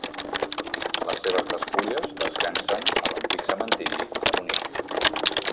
Les seves despulles descansen a l'antic cementiri de Munic.